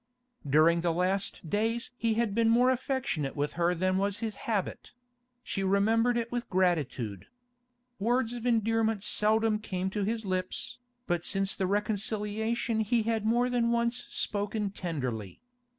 During the last days he had been more affectionate with her than was his habit; she remembered it with gratitude. Words of endearment seldom came to his lips, but since the reconciliation he had more than once spoken tenderly.